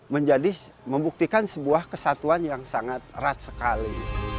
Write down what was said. menjadi membuktikan sebuah kesatuan yang sangat erat sekali